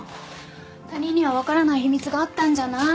他人には分からない秘密があったんじゃない？